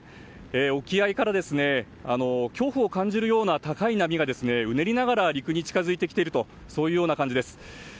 沖合から恐怖を感じるような高い波がうねりながら陸に近づいているとそういうような感じです。